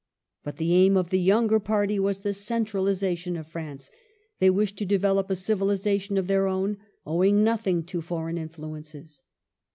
But the aim of the younger party was the centralization of France ; they wished to develop a civilization of their own, owing nothing to for eign influences.